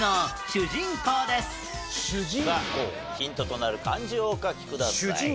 さあヒントとなる漢字をお書きください。